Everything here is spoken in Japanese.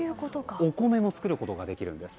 お米も作ることができるんです。